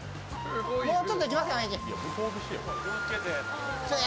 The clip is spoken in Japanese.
もうちょっと行きますかね、名人。